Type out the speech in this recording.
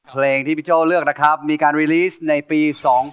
เพลงที่พี่โจ้เลือกนะครับมีการรีลีสในปี๒๐